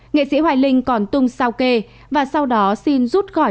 nghệ sĩ hoài linh còn tung sao kê và sau đó xin rút gọn